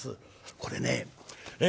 これねえ